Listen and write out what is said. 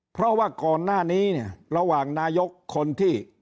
เพราะว่าก่อนหน้านี้เนี่ยระหว่างนายกคนที่